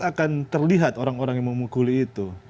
akan terlihat orang orang yang memukuli itu